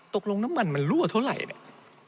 ตกลงน้ำมันมันรั่วเท่าไหร่เนี่ย